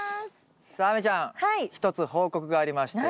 さあ亜美ちゃん一つ報告がありまして。